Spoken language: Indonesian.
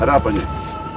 ada apa kanjeng